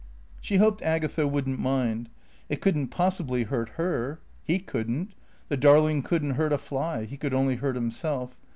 She hoped Agatha wouldn't mind. It couldn't possibly hurt her. He couldn't. The darling couldn't hurt a fly; he could only hurt himself.